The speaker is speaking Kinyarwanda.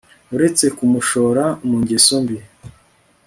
uretse kumushora mungeso mbi